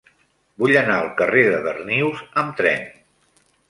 Vull anar al carrer de Darnius amb tren.